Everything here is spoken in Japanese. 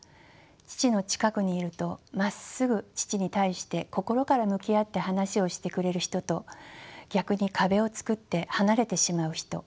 父の近くにいるとまっすぐ父に対して心から向き合って話をしてくれる人と逆に壁を作って離れてしまう人。